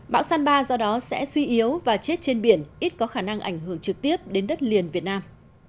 bão san ba do đó sẽ suy yếu và chết trên biển ít có khả năng ảnh hưởng trực tiếp đến đất liền việt nam